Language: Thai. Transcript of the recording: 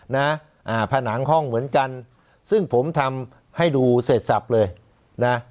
นะอ่าผนังห้องเหมือนกันซึ่งผมทำให้ดูเสร็จสับเลยนะ